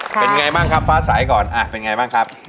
เป็นไงบ้างครับฟ้าสายก่อนเป็นไงบ้างครับ